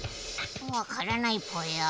わからないぽよ。